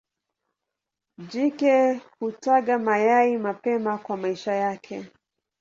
Jike hutaga mayai mapema kwa maisha yake.